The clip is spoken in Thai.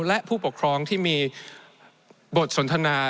และผู้ปกครองที่มีบทสนทนา